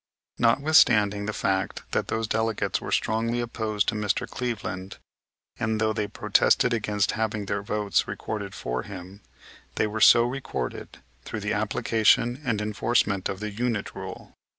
Notwithstanding the fact that those delegates were strongly opposed to Mr. Cleveland, and though they protested against having their votes recorded for him, they were so recorded through the application and enforcement of the unit rule.